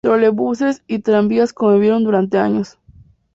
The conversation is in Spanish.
Trolebuses y tranvías convivieron durante años.